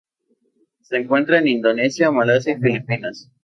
Se encuentra en Indonesia Malasia y Filipinas.